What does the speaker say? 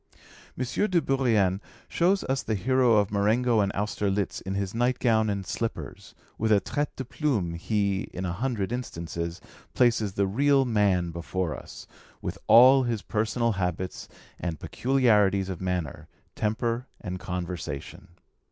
M. de Bourrienne shows us the hero of Marengo and Austerlitz in his night gown and slippers with a 'trait de plume' he, in a hundred instances, places the real man before us, with all his personal habits and peculiarities of manner, temper, and conversation.